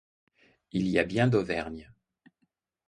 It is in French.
Il y a bien Dauvergne.